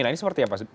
nah ini seperti apa